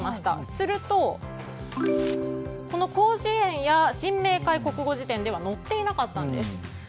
すると、広辞苑や新明解国語辞典では載っていなかったんです。